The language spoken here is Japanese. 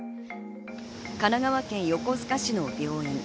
神奈川県横須賀市の病院。